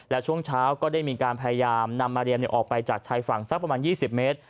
และช่วงเช้าก็ได้มีการพยายามนำมาเรียมออกไปจากชายฝั่งสักประมาณ๒๐เมตร